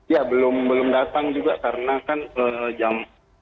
ya belum datang juga karena kan jam